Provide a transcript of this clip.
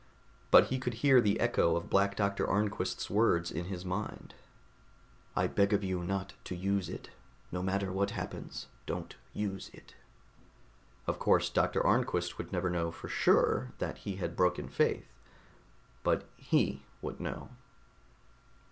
But he could hear the echo of Black Doctor Arnquist's words in his mind: I beg of you not to use it. No matter what happens, don't use it. Of course, Doctor Arnquist would never know, for sure, that he had broken faith ... but he would know....